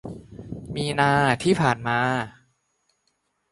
มีนาที่ผ่านมา